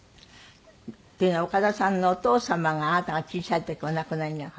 っていうのは岡田さんのお父様があなたが小さい時お亡くなりになって。